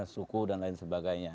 suku dan lain sebagainya